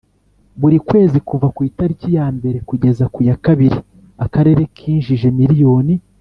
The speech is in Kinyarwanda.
buri kwezi kuva tariki ya mbere kugeza ku ya kabiri akarere kinjije miliyoni